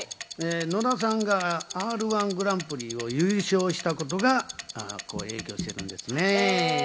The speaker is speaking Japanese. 野田さんがＲ−１ぐらんぷりで優勝したことが影響してるんですね。